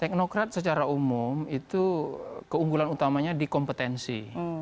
teknokrat secara umum itu keunggulan utamanya di kompetensi